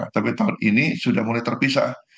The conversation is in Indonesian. tapi tahun ini sudah mulai terpisah